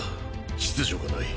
秩序がない。